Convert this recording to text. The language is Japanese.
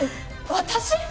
私？